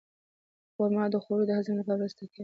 خرما د خوړو د هضم لپاره مرسته کوي.